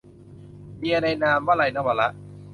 เมียในนาม - วลัย นวาระ